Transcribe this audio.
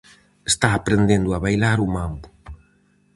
Está aprendendo a bailar o mambo.